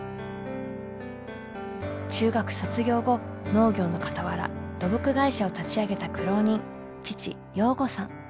中学卒業後農業のかたわら土木会社を立ち上げた苦労人父洋五さん。